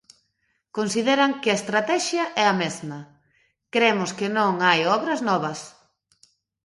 Consideran que a estratexia é a mesma: Cremos que non hai obras novas.